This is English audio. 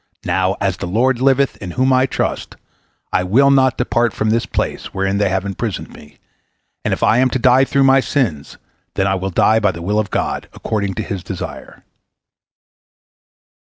Now, as the Lord liveth, in whom I trust, I will not depart from this place wherein they have imprisoned me, and if I am to die through my sins, then will I die by the will of God, according to His desire."